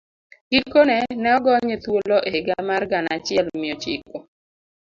Gikone, ne ogonye thuolo e higa mar gana achiel mia ochiko